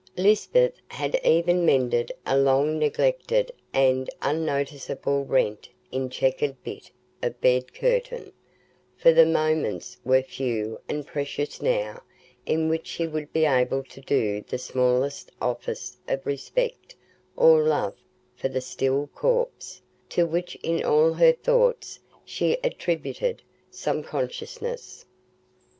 Lisbeth had even mended a long neglected and unnoticeable rent in the checkered bit of bed curtain; for the moments were few and precious now in which she would be able to do the smallest office of respect or love for the still corpse, to which in all her thoughts she attributed some consciousness.